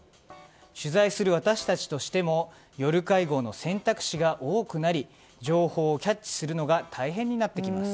取材する私たちとしても夜会合の選択肢が多くなり情報をキャッチするのが大変になってきます。